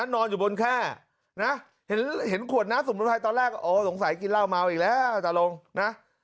นอนอยู่บนแค่นะเห็นขวดน้าสมมุติไทยตอนแรกโอ้สงสัยกินเหล้าเมาอีกแล้วตาลงนะ